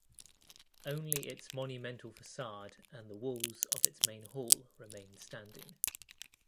Only its monumental facade and the walls of its main hall remained standing.